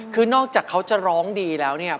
คือนอกจากเขาจะร้องดีแล้วเนี่ย